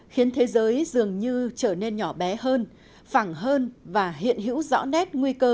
khiến thế giới dường như trở nên nhỏ bé hơn phẳng hơn và hiện hữu rõ nét nguy cơ